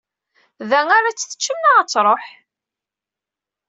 Da ara tt-teččem neɣ ad tṛuḥ?